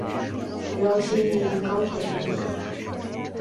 主要经营钢铁产品。